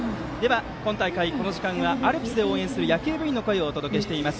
今大会、この時間はアルプスで応援している野球部員の声をお届けしています。